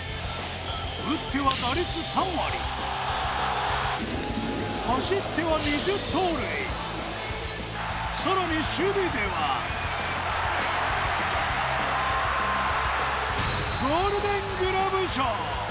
打っては打率３割、走っては２０盗塁、更に守備ではゴールデングラブ賞。